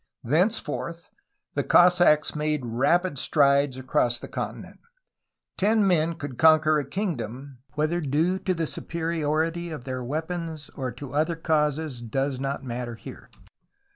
Thenceforth, the Cossacks made rapid strides across the con tinent. Ten men could conquer a kingdom, — whether due to the superiority of their weapons or to other causes does not matter here.